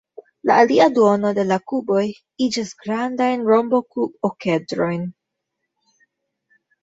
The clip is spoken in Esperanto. La alia duono de la kuboj iĝas grandajn rombokub-okedrojn.